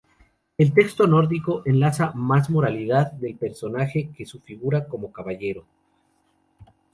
El texto nórdico ensalza más la moralidad del personaje que su figura como caballero.